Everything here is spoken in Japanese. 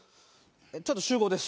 ちょっと集合です。